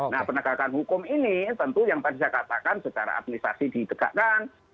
nah penegakan hukum ini tentu yang tadi saya katakan secara administrasi ditegakkan